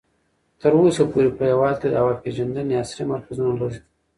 تر اوسه پورې په هېواد کې د هوا پېژندنې عصري مرکزونه لږ دي.